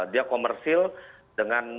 dia komersil dengan pendidikan